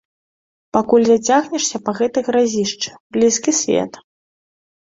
Пакуль зацягнешся па гэтай гразішчы, блізкі свет.